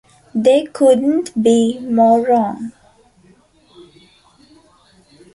They couldn't be more wrong.